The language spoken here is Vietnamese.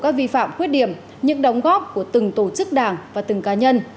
các vi phạm khuyết điểm những đóng góp của từng tổ chức đảng và từng cá nhân